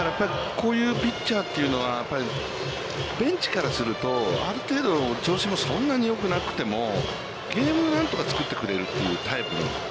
だから、こういうピッチャーというのは、ベンチからすると、ある程度、調子もそんなによくなくても、ゲーム何とか作ってくれるというタイプの。